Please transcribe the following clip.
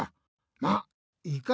まっいいか。